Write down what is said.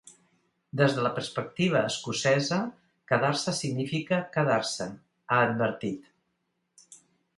“Des de la perspectiva escocesa, quedar-se significa quedar-se”, ha advertit.